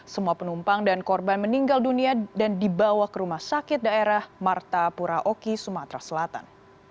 semua penumpang dan korban meninggal dunia dan dibawa ke rumah sakit daerah martapura oki sumatera selatan